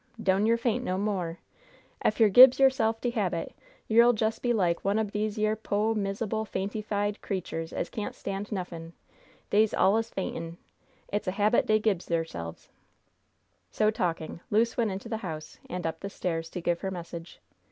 Doan yer faint no mo'. Ef yer gibs yerse'f de habit, yer'll jes be like one ob dese yere po', mis'able, faintyfied creetures as can't stand nuffin. Dey's allus faintn'. It's a habit dey gibs deirselves." So talking, Luce went into the house and up the stairs to give her message.